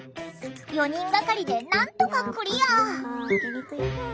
４人がかりでなんとかクリア。